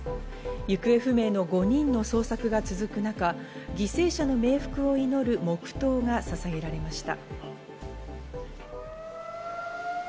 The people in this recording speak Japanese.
行方不明の５人の捜索が続く中、犠牲者の冥福を祈る、黙とうがささげられました。